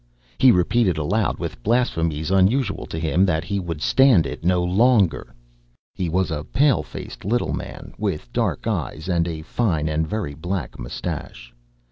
He repeated aloud with blasphemies unusual to him that he would stand it no longer. He was a pale faced little man, with dark eyes and a fine and very black moustache.